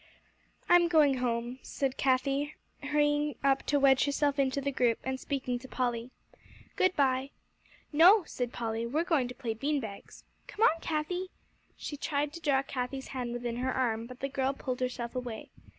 "I'm going home," said Cathie, hurrying up to wedge herself into the group, and speaking to Polly. "Good bye." "No," said Polly, "we're going to play bean bags. Come on, Cathie." She tried to draw Cathie's hand within her arm, but the girl pulled herself away.